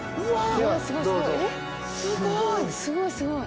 すごいすごい。